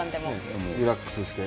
リラックスして。